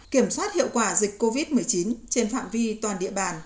kiểm soát hiệu quả dịch covid một mươi chín trên phạm vi toàn địa bàn